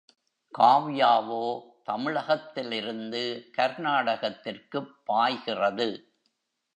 காவ்யாவோ தமிழகத்திலிருந்து கர்நாடகத்திற்குப் பாய்கிறது.